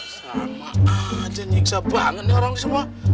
sama aja nyiksa banget nih orang semua